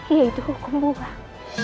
yaitu hukum buang